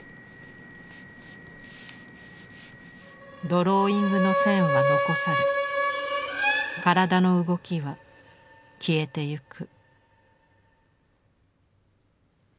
ドローイングの線は残され身体の動きは消えてゆく。